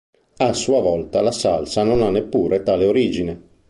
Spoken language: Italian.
A sua volta, la salsa non ha neppure tale origine.